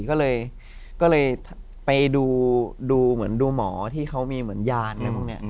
ก็เลยไปดูเหมือนดูหมอที่เขามีเหมือนยานอะไรพวกนี้